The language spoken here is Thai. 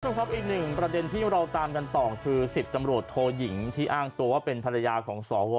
คุณผู้ชมครับอีกหนึ่งประเด็นที่เราตามกันต่อคือ๑๐ตำรวจโทยิงที่อ้างตัวว่าเป็นภรรยาของสว